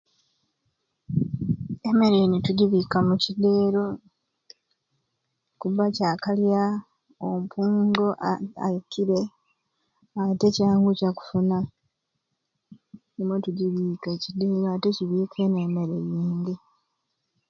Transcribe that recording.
Emmere eni tujibika muki deero kubba kyakalya ompungo aa ayikiire ate ekyangu ky'akufuna nimwo tujibika ekidero ate kibika nemmere jingi.